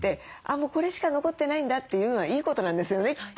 もうこれしか残ってないんだというのはいいことなんですよねきっと。